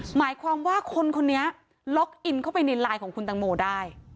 หมายความว่าคนคนนี้ล็อกอินเข้าไปในไลน์ของคุณตังโมได้